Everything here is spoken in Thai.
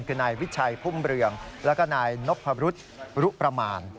คือนายวิชัยพุ่มเรืองแล้วก็นายนพบรุษรุประมาณ